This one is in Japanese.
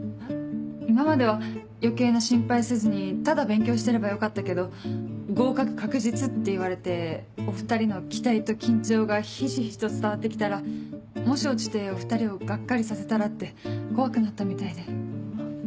今までは余計な心配せずにただ勉強してればよかったけど合格確実って言われてお２人の期待と緊張がひしひしと伝わって来たらもし落ちてお２人をガッカリさせたらって怖くなったみたいで。